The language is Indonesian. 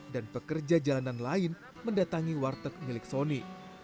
dan pekerja jalanan lain mendatangi warteg milik soni